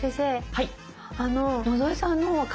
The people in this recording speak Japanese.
はい。